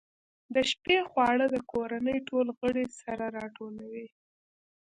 د شپې خواړه د کورنۍ ټول غړي سره راټولوي.